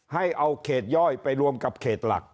ให้เอาเขตย่อยไปรวมกับเขตหลัก